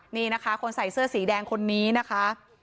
นี่นะคะคนใส่เสื้อสีแดงคนนี้นะคะ